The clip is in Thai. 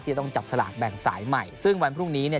จะต้องจับสลากแบ่งสายใหม่ซึ่งวันพรุ่งนี้เนี่ย